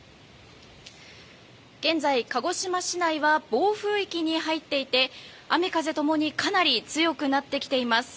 現在、鹿児島市内は暴風域に入っていて雨風ともにかなり強くなってきています。